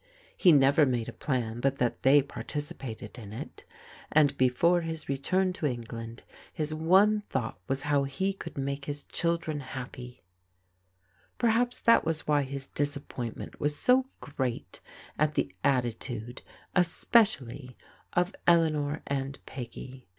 He never made a plan but that they participated in it, and before his return to England his one thought was how he could make his chil dren happy, q;66 TRBV'S ENGAGEMENT 267 Perhaps that was why his disappointment was so great at the attitude, especially of Eleanor and Peggy.